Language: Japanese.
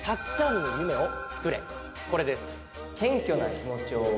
これです。